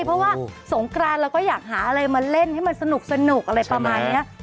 เพราะว่าสงกรานเราก็อยากหาอะไรมาเล่นให้มันสนุกอะไรประมาณนี้